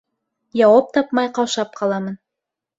Яуап тапмай ҡаушап ҡаламын.